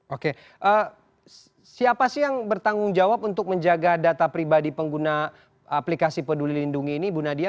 oke siapa sih yang bertanggung jawab untuk menjaga data pribadi pengguna aplikasi peduli lindungi ini bu nadia